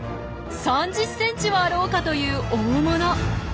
３０ｃｍはあろうかという大物。